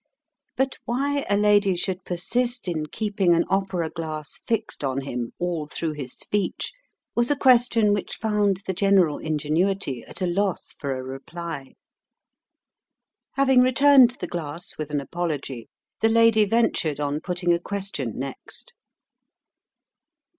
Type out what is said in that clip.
But why a lady should persist in keeping an opera glass fixed on him all through his speech was a question which found the general ingenuity at a loss for a reply. Having returned the glass with an apology, the lady ventured on putting a question next.